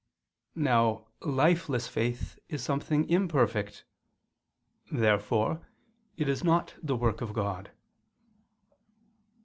Now lifeless faith is something imperfect. Therefore it is not the work of God.